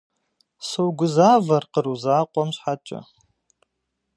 Согузавэр къру закъуэм щхьэкӏэ.